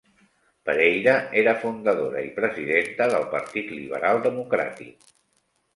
Pereira era fundadora i presidenta del Partit Liberal Democràtic.